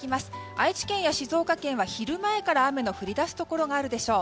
愛知県や静岡県は昼前から雨の降りだすところがあるでしょう。